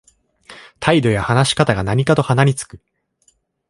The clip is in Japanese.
態度や話し方が何かと鼻につく